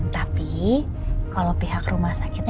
tapi kalau pihak rumah sakitnya